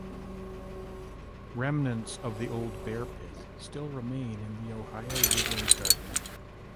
Remnants of the old bear pit still remain in the Ohio Woodland Garden.